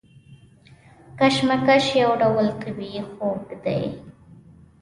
کشمش یو ډول طبیعي خوږ دی.